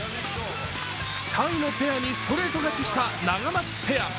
タイのペアにストレート勝ちしたナガマツペア。